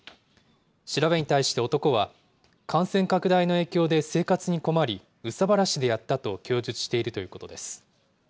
調べに対して男は、感染拡大の影響で生活に困り、憂さ晴らしでやったと供述しているということです。